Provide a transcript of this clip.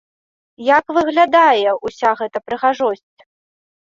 Як выглядае ўся гэта прыгажосць?